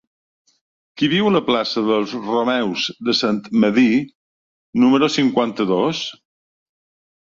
Qui viu a la plaça dels Romeus de Sant Medir número cinquanta-dos?